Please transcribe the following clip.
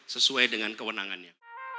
sesuai dengan kewenangannya